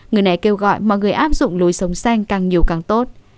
người này kêu gọi mọi người áp dụng lối sống xanh càng nhiều càng tốt